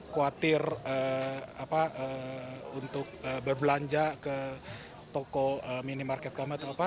khawatir untuk berbelanja ke toko minimarket kamar